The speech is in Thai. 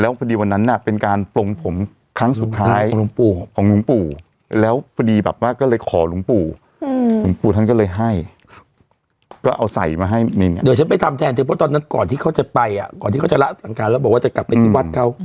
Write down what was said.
เวลารายการฉันไปแทนแล้ว